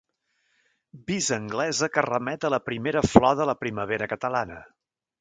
Visa anglesa que remet a la primera flor de la primavera catalana.